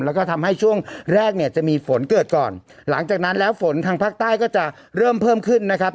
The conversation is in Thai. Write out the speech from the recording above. แล้วก็ทำให้ช่วงแรกเนี่ยจะมีฝนเกิดก่อนหลังจากนั้นแล้วฝนทางภาคใต้ก็จะเริ่มเพิ่มขึ้นนะครับ